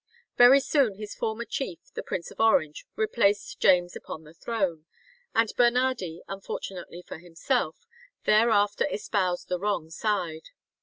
Very soon his former chief, the Prince of Orange, replaced James upon the throne, and Bernardi, unfortunately for himself, thereafter espoused the wrong side.